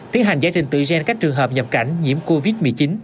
tiến hành giải trình tự gen các trường hợp nhập cảnh nhiễm covid một mươi chín